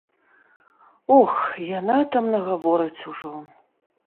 Ох, яна там нагаворыць ужо!